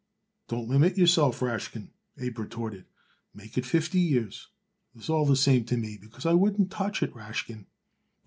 "Don't limit yourself, Rashkin," Abe retorted. "Make it fifty years. It's all the same to me, because I wouldn't touch it, Rashkin."